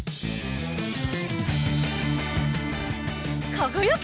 かがやけ！